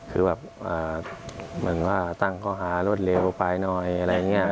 คือแบบเหมือนว่าตั้งข้อหารวดเร็วไปหน่อยอะไรอย่างนี้